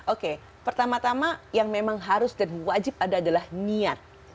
oke pertama tama yang memang harus dan wajib ada adalah niat